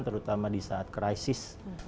terutama di saat krisis